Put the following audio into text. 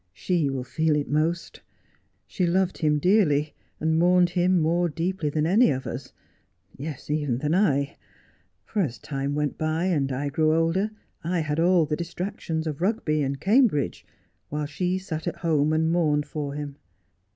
'She will feel it most. She loved him dearly, and mourned him more deeply than any of us, yes, even than I ; for as time went by and I grew older I had all the distractions of Bugby and Cambridge, while she sat at home and mourned for him.